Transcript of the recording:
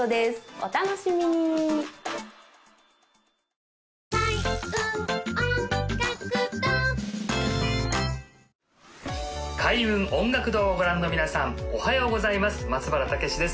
お楽しみに開運音楽堂をご覧の皆さんおはようございます松原健之です